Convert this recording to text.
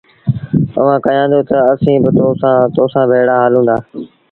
اُئآݩٚ ڪهيآندونٚ تا، ”اسيٚݩٚ با تو سآݩٚ ڀيڙآ هلونٚ دآ۔